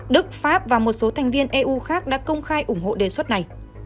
đức pháp và một số thành viên eu khác đã công khai ủng hộ đề xuất này